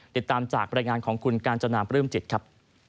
ติดตามจากบรรยายงานของคุณกาญจนาปลื้มจิตครับ